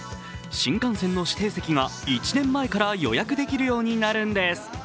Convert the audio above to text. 新幹線の指定席が１年前から予約できようになるんです。